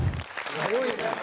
すごいね！